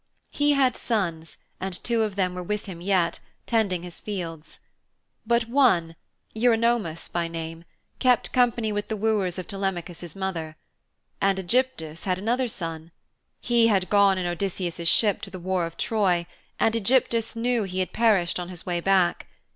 He had sons, and two of them were with him yet, tending his fields. But one, Eurynomous by name, kept company with the wooers of Telemachus' mother. And Ægyptus had had another son; he had gone in Odysseus' ship to the war of Troy, and Ægyptus knew he had perished on his way back.